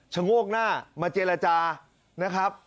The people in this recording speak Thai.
โงกหน้ามาเจรจานะครับ